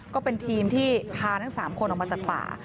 ก็เป็นทีมที่พาทั้ง๓คนออกมาจากป่า